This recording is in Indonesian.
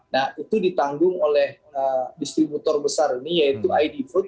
nah itu ditanggung oleh distributor besar ini yaitu id food